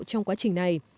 trong quá trình này